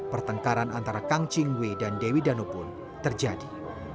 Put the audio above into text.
pertengkaran antara kang ching wei dan dewi danu pun terjadi